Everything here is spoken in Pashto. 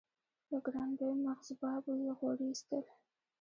له ګرانبیو مغزبابو یې غوړي اېستل.